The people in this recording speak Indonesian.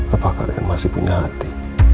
apa kalian masih punya hati